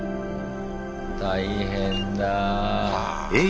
大変だ。